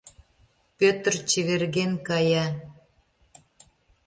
Пӧтыр чеверген кая.